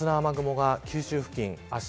活発な雨雲が九州付近